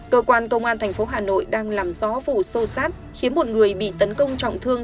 cơ quan công an thành phố hà nội đang làm rõ vụ sâu sát khiến một người bị tấn công trọng thương